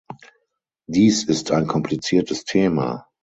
Dies ist ein kompliziertes Thema.